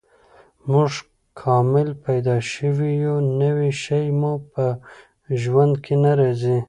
موږ کامل پیدا شوي یو، نوی شی مو په ژوند کې نه راځي.